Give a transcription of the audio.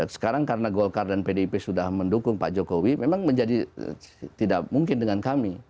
sekarang karena golkar dan pdip sudah mendukung pak jokowi memang menjadi tidak mungkin dengan kami